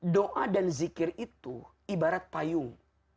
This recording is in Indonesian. doa dan zikir itu ibarat payung